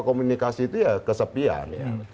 komunikasi itu ya kesepian